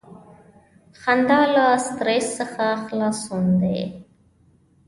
• خندا له سټریس څخه خلاصون دی.